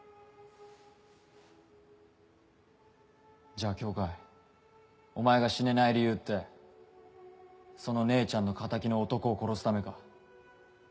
じゃあ羌お前が死ねない理由ってその姉ちゃんの敵の男を殺すためか？